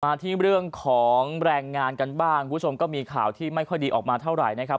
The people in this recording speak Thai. ที่เรื่องของแรงงานกันบ้างคุณผู้ชมก็มีข่าวที่ไม่ค่อยดีออกมาเท่าไหร่นะครับ